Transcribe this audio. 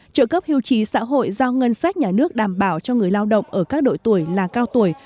trợ cấp hưu trí xã hội do ngân sách nhà nước đảm bảo cho người lao động ở các độ tuổi là cao tuổi